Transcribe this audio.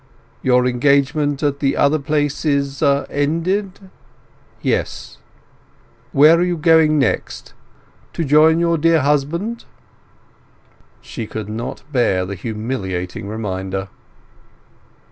"Your engagement at the other place is ended?" "Yes." "Where are you going to next? To join your dear husband?" She could not bear the humiliating reminder.